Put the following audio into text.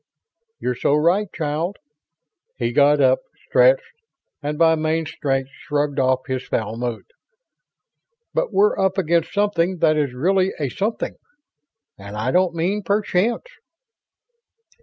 "You're so right, child." He got up, stretched, and by main strength shrugged off his foul mood. "But we're up against something that is really a something, and I don't mean perchance."